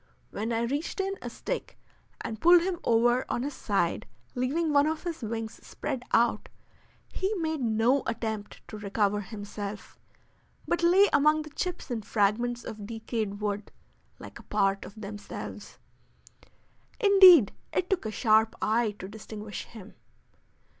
When I reached in a stick and pulled him over on his side, leaving one of his wings spread out, he made no attempt to recover himself, but lay among the chips and fragments of decayed wood, like a part of themselves. Indeed, it took a sharp eye to distinguish him.